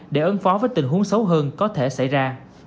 để ứng phó với tình huống xấu hơn có thể xảy ra